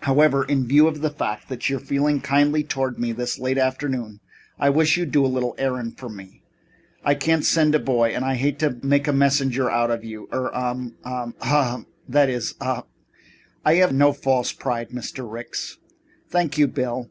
However, in view of the fact that you're feeling kindly toward me this afternoon, I wish you'd do a little errand for me. I can't send a boy and I hate to make a messenger out of you er ah ahem! That is har umph h h !" "I have no false pride, Mr. Ricks." "Thank you, Bill.